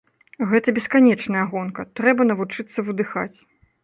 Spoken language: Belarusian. Гэта бесканечная гонка, трэба навучыцца выдыхаць.